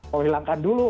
mau hilangkan dulu